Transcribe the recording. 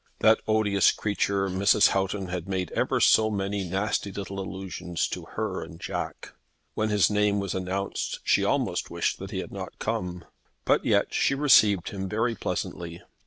That odious creature Mrs. Houghton had made ever so many nasty little allusions to her and Jack. When his name was announced she almost wished that he had not come; but yet she received him very pleasantly.